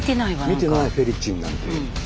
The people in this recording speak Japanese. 見てないフェリチンなんていうのは。